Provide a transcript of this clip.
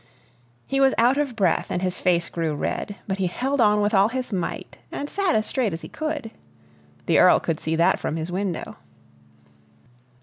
He was out of breath and his face grew red, but he held on with all his might, and sat as straight as he could. The Earl could see that from his window.